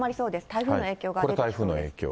台風の影響が出てきそうです。